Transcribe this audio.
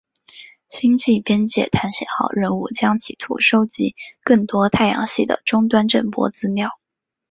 星际边界探险号任务将企图收集更多太阳系的终端震波资料。